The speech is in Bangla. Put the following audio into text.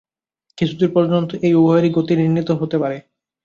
কিছুদূর পর্যন্ত এই উভয়েরই গতি নির্ণীত হইতে পারে।